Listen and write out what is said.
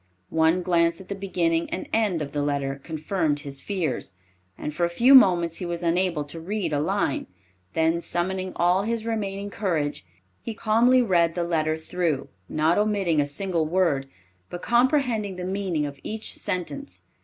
One glance at the beginning and end of the letter confirmed his fears, and for a few moments he was unable to read a line; then summoning all his remaining courage, he calmly read the letter through, not omitting a single word, but comprehending the meaning of each sentence.